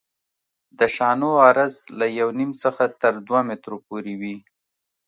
د شانو عرض له یو نیم څخه تر دوه مترو پورې وي